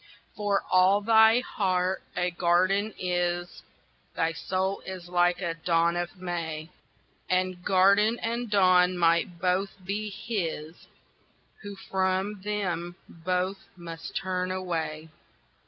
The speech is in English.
For all thy heart a garden is, Thy soul is like a dawn of May. And garden and dawn might both be his, Who from them both must turn away.